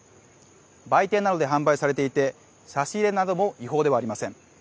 売店などで販売されていて差し入れなども違法ではありません。